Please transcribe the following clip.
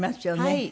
はい。